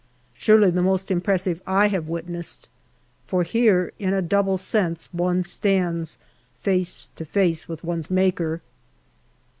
Surely the most impressive I have witnessed. For here in a double sense one stands face to face with one's Maker.